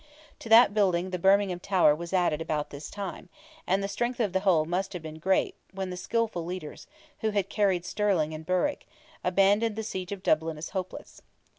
To that building the Bermingham tower was added about this time, and the strength of the whole must have been great when the skilful leaders, who had carried Stirling and Berwick, abandoned the siege of Dublin as hopeless.